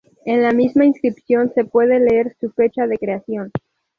En la misma inscripción se puede leer su fecha de creación.